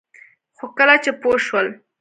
خو کله چې پوه شول